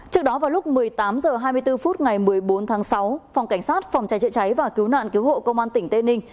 trước đó vào lúc một mươi tám h hai mươi bốn phút ngày một mươi bốn tháng sáu phòng cảnh sát phòng cháy chữa cháy và cứu nạn cứu hộ công an tỉnh tây ninh